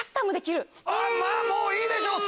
まぁもういいでしょう！